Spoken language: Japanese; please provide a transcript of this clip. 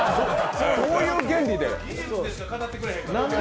どういう原理で？